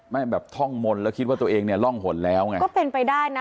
แบบท่องมนต์แล้วคิดว่าตัวเองเนี่ยร่องหนแล้วไงก็เป็นไปได้นะ